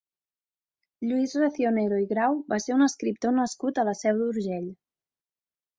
Lluís Racionero i Grau va ser un escriptor nascut a la Seu d'Urgell.